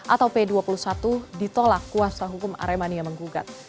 atau p dua puluh satu ditolak kuasa hukum aremania menggugat